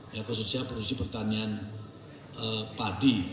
ya khususnya produksi pertanian padi